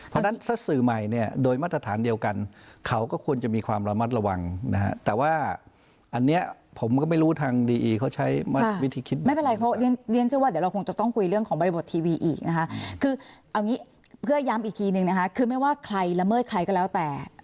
เพราะฉะนั้นถ้าสื่อใหม่เนี่ยโดยมาตรฐานเดียวกันเขาก็ควรจะมีความระมัดระวังนะฮะแต่ว่าอันนี้ผมก็ไม่รู้ทางดีอีเขาใช้วิธีคิดไหมไม่เป็นไรเพราะเรียนเชื่อว่าเดี๋ยวเราคงจะต้องคุยเรื่องของบริบททีวีอีกนะคะคือเอางี้เพื่อย้ำอีกทีนึงนะคะคือไม่ว่าใครละเมิดใครก็แล้วแต่